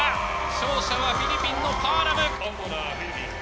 勝者はフィリピンのパアラム。